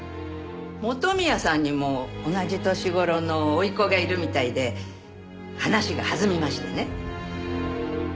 元宮さんにも同じ年頃の甥っ子がいるみたいで話が弾みましてね。